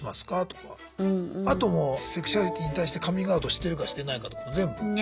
あともうセクシュアリティーに対してカミングアウトしてるかしてないかとかも全部。